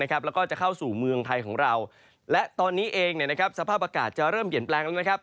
แล้วก็จะเข้าสู่เมืองไทยของเราและตอนนี้เองสภาพอากาศจะเริ่มเปลี่ยนแปลงแล้วนะครับ